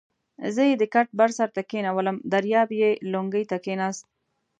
زه یې د کټ بر سر ته کېنولم، دریاب یې لنګې ته کېناست.